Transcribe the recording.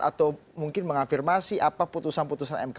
atau mungkin mengafirmasi apa putusan putusan mk